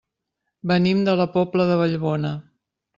Venim de la Pobla de Vallbona.